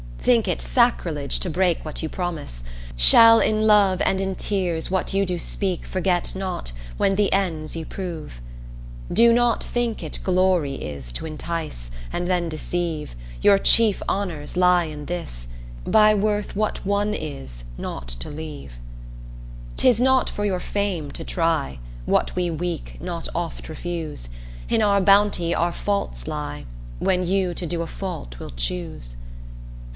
Think it sacrilege to break What you promise shall in love, And in tears what you do speak, Forget not when the ends you prove. Do not think it glory is To entice, and then deceive, Your chief honours lie in this: By worth what won is, not to leave. 'T'is not for your fame to try What we, weak, not oft refuse, In our bounty our faults lie When you to do a fault will choose.